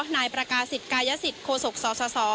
นายประกาศิษกายสิทธิโคศกสส